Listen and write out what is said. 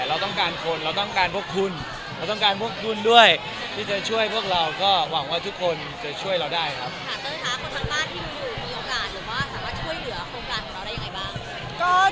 เราต้องการคนเราต้องการพวกคุณเราต้องการพวกดุลด้วยที่จะช่วยพวกเราก็หวังว่าทุกคนจะช่วยเราได้ครับ